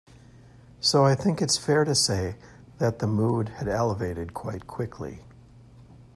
So I think it's fair to say that the mood had elevated quite quickly.